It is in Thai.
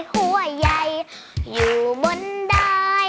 หัวใหญ่อยู่บนดอย